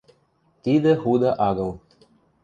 Тидӹ худа агыл.